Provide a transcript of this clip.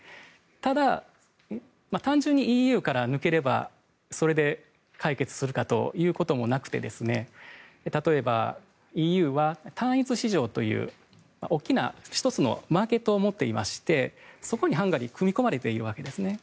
ただ、単純にＥＵから抜ければそれで解決するということもなくて例えば、ＥＵは単一市場という大きな１つのマーケットを持っていましてそこにハンガリーは組み込まれているわけですね。